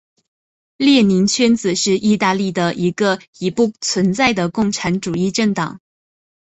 列宁圈子是意大利的一个已不存在的共产主义政党。